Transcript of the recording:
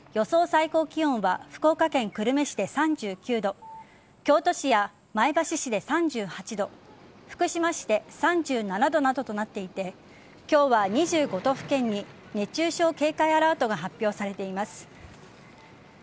最高気温は福岡県久留米市で３９度京都市や前橋市で３８度福島市で３７度などとなっていて今日は２５都府県に熱中症警戒アラートが発表されています。